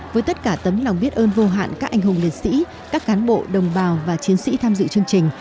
với tất cả tấm lòng biết ơn vô hạn các anh hùng liệt sĩ các cán bộ đồng bào và chiến sĩ tham dự chương trình